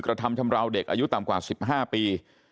กระทำชำราวเด็กอายุต่ำกว่า๑๕ปี